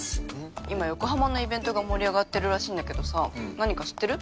今横浜のイベントが盛り上がってるらしいんだけどさ何か知ってる？